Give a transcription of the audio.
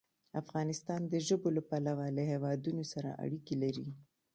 افغانستان د ژبو له پلوه له هېوادونو سره اړیکې لري.